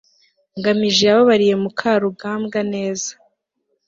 ngamije yababariye mukarugambwa neza